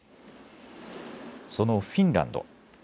そのフィンランド。